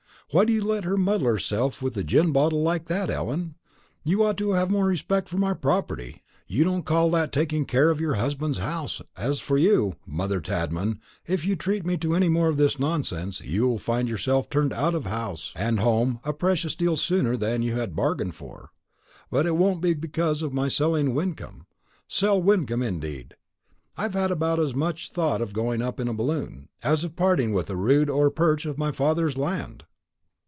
Why do you let her muddle herself with the gin bottle like that, Ellen? You ought to have more respect for my property. You don't call that taking care of your husband's house. As for you, mother Tadman, if you treat me to any more of this nonsense, you will find yourself turned out of house and home a precious deal sooner than you bargained for; but it won't be because of my selling Wyncomb. Sell Wyncomb, indeed! I've about as much thought of going up in a balloon, as of parting with a rood or a perch of my father's land."